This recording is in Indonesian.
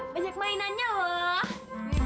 banyak mainannya loh